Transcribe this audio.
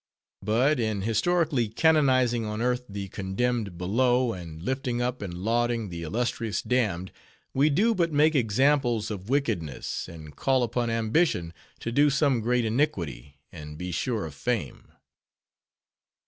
But in historically canonizing on earth the condemned below, and lifting up and lauding the illustrious damned, we do but make examples of wickedness; and call upon ambition to do some great iniquity, and be sure of fame.